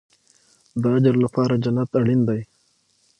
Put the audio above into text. د اجر لپاره جنت اړین دی